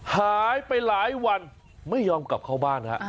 หายไปหลายวันไม่ยอมกลับเข้าบ้านฮะ